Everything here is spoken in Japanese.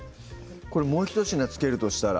これもうひと品付けるとしたら？